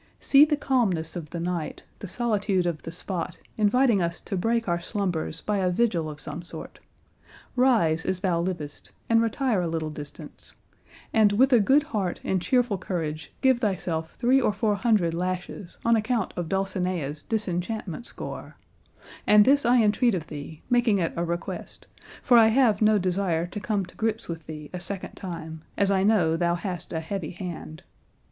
See the calmness of the night, the solitude of the spot, inviting us to break our slumbers by a vigil of some sort. Rise as thou livest, and retire a little distance, and with a good heart and cheerful courage give thyself three or four hundred lashes on account of Dulcinea's disenchantment score; and this I entreat of thee, making it a request, for I have no desire to come to grips with thee a second time, as I know thou hast a heavy hand.